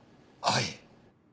はい。